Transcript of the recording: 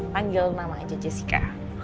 panggil nama aja jessica